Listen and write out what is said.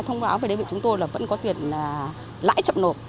thông báo về đơn vị chúng tôi là vẫn có tiền lãi chậm nộp